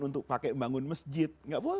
untuk bangun masjid